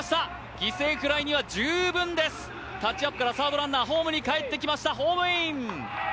犠牲フライには十分ですタッチアップからサードランナーホームにかえってきましたホームイン！